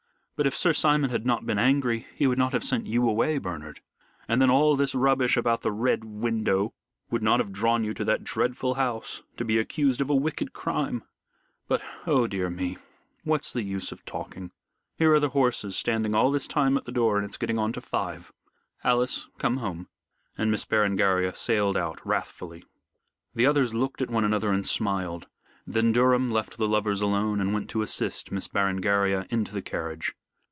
But if Sir Simon had not been angry, he would not have sent you away, Bernard, and then all this rubbish about the Red Window would not have drawn you to that dreadful house, to be accused of a wicked crime. But, oh dear me! what's the use of talking? Here are the horses standing all this time at the door, and it's getting on to five. Alice, come home," and Miss Berengaria sailed out wrathfully. The others looked at one another and smiled. Then Durham left the lovers alone and went to assist Miss Berengaria into the carriage.